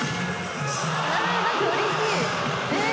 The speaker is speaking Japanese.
何かうれしい。